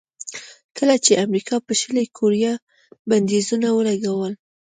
کله چې امریکا پر شلي کوریا بندیزونه ولګول.